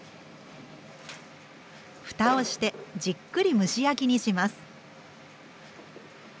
ふたをしてじっくり蒸し焼きにします。